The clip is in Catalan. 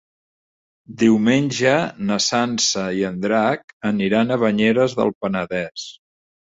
Diumenge na Sança i en Drac aniran a Banyeres del Penedès.